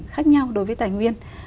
khác nhau đối với tài nguyên